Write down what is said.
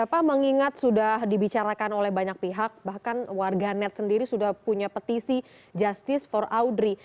bapak mengingat sudah dibicarakan oleh banyak pihak bahkan warganet sendiri sudah punya petisi justice for audrey